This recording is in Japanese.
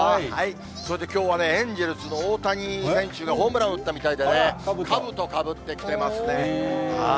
それできょうはね、エンゼルスの大谷選手がホームランを打ったみたいでね、かぶとかぶって来てますね。